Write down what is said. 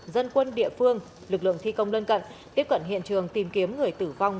dân quân địa phương lực lượng thi công lân cận tiếp cận hiện trường tìm kiếm người tử vong